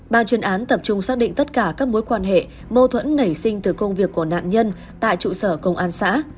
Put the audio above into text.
ban chuyên án tập trung xác định tất cả các mối quan hệ mâu thuẫn nảy sinh từ công việc của nạn nhân tại trụ sở công an xã